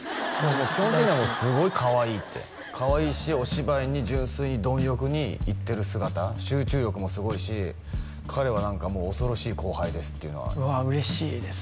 基本的にはすごいカワイイってカワイイしお芝居に純粋に貪欲にいってる姿集中力もすごいし彼は何かもう恐ろしい後輩ですっていうのはうわ嬉しいですね